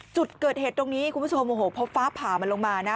จุดเกิดเหตุตรงนี้คุณผู้ชมโอ้โหพอฟ้าผ่ามันลงมานะ